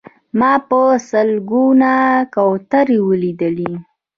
ما په سلګونه کوترې ولیدلې.